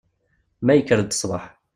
Ma yekker-d sbeḥ.